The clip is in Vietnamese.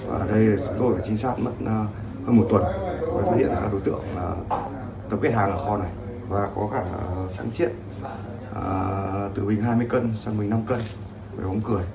ở đây chúng tôi phải trinh sát hơn một tuần để phát hiện ra các đối tượng tập kết hàng ở kho này và có cả sáng triết từ bình hai mấy cân sang bình năm cân phải bóng cười